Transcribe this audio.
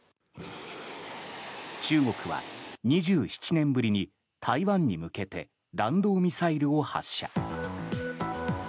中国は２７年ぶりに台湾に向けて弾道ミサイルを発射。